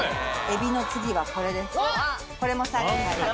エビの次はこれです。